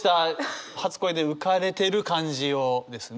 初恋で浮かれてる感じをですね